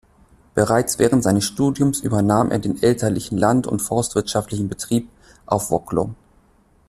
Bereits während seines Studiums übernahm er den elterlichen land- und forstwirtschaftlichen Betrieb auf Wocklum.